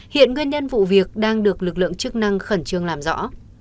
hiện nguyên nhân vụ việc đang được lực lượng chức năng khẩn trương làm rõ